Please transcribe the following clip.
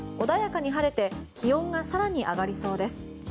穏やかに晴れて気温が更に上がりそうです。